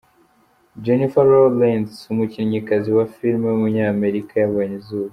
Jennifer Lawrence, umukinnyikazi wa film w’umunyamerika yabonye izuba.